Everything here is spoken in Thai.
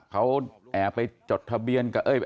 เขาแอบไปจดทะเบียนกับเอ้ย